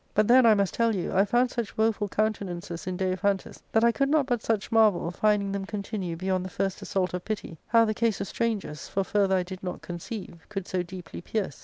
" But then, I must tell you, I found such woeful counten ances in Daiphantus that I could not but much marvel, finding them continue beyond the first assault of pity, how the case of strangers, for further I did not conceive, could so deeply pierce.